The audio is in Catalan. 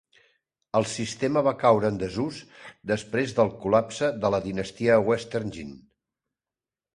El sistema va caure en desús després del col·lapse de la dinastia Western Jin.